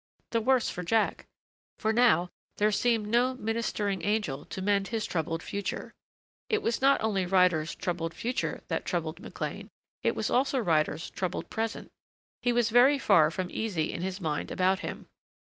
The worse for Jack. For now there seemed no ministering angel to mend his troubled future. It was not only Ryder's troubled future that troubled McLean it was also Ryder's troubled present. He was very far from easy in his mind about him.